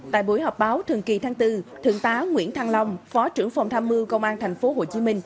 tại buổi họp báo thường kỳ tháng bốn thượng tá nguyễn thăng long phó trưởng phòng tham mưu công an tp hcm